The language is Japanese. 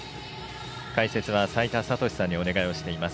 解説は齋田悟司さんにお願いをしています。